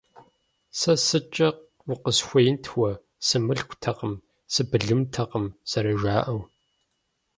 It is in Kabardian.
Сэ сыткӀэ укъысхуеинт уэ, сымылъкутэкъым, сыбылымтэкъым, зэрыжаӀэу.